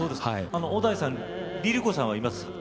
小田井さんＬｉＬｉＣｏさんはいます？